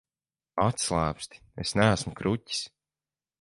Atslābsti, es neesmu kruķis.